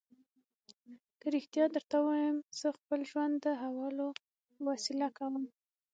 که رښتیا درته ووایم، زه خپل ژوند د حوالو په وسیله کوم.